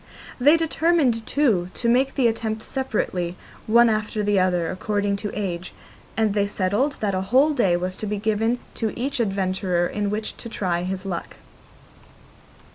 They determined, too, to make the attempt separately, one after the other, according to age, and they settled that a whole day was to be given to each adventurer in which to try his luck.